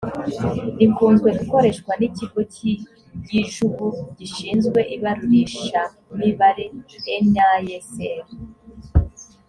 rikunze gukoreshwa n ikigo cy igijugu gishinzwe ibarurishamibare nisr